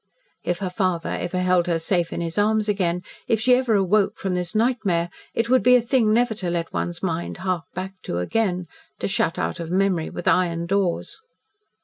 If her father ever held her safe in his arms again if she ever awoke from this nightmare, it would be a thing never to let one's mind hark back to again to shut out of memory with iron doors.